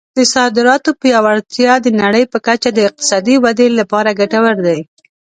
د صادراتو پیاوړتیا د نړۍ په کچه د اقتصادي ودې لپاره ګټور دی.